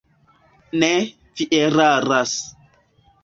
Ne, vi eraras.